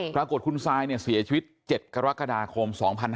ปรากฏคุณซายเสียชีวิต๗กรกฎาคม๒๕๕๙